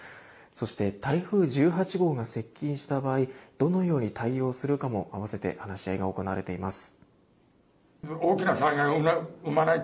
そして、台風１８号が接近した場合どのように対応するかも併せて話し合いが行われています。